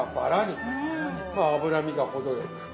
まあ脂身が程よく。